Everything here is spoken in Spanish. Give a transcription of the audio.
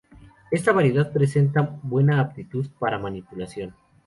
Esta variedad presenta muy buena aptitud para manipulación.